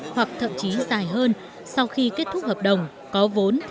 hoặc thậm chí dài hơn sau khi kết thúc hợp đồng có vốn